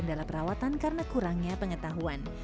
pembayarannya mengalami kendala perawatan karena kurangnya pengetahuan